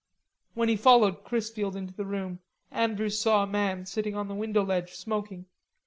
When he followed Chrisfield into the room, Andrews saw a man sitting on the window ledge smoking.